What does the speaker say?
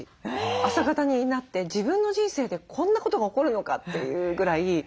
朝型になって自分の人生でこんなことが起こるのかというぐらい変わりました。